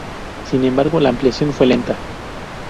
Sin embargo, la ampliación fue lenta.